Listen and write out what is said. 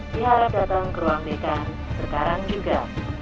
diharap datang ke ruang dekan sekarang juga